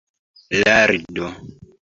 lardo